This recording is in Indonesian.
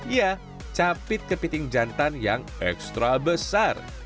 ya capit kepiting jantan yang ekstra besar